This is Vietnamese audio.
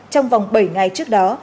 trong vòng bảy ngày trước đó